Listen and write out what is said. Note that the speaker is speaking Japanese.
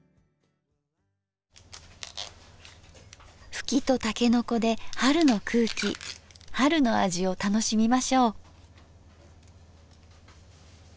ふきとたけのこで春の空気春の味を楽しみましょう。